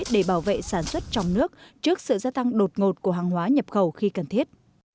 để bảo vệ sản xuất trong nước trước sự gia tăng đột ngột của hàng hóa nhập khẩu khi cần thiết